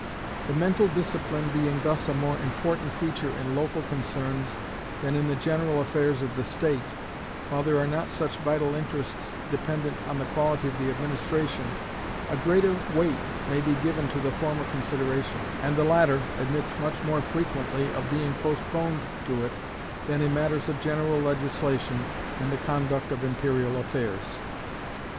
The mental discipline being thus a more important feature in local concerns than in the general affairs of the state, while there are not such vital interests dependent on the quality of the administration, a greater weight may be given to the former consideration, and the latter admits much more frequently of being postponed to it than in matters of general legislation and the conduct of imperial affairs.